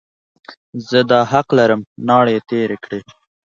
زه دا حق لرم، ناړې یې تېرې کړې.